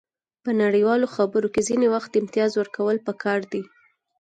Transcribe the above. په نړیوالو خبرو کې ځینې وخت امتیاز ورکول پکار دي